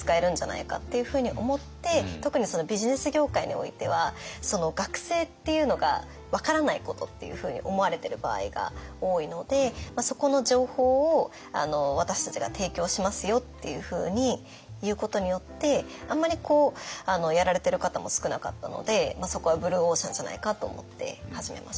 特にビジネス業界においては学生っていうのが分からないことっていうふうに思われてる場合が多いのでそこの情報を私たちが提供しますよっていうふうに言うことによってあんまりやられてる方も少なかったのでそこはブルーオーシャンじゃないかと思って始めました。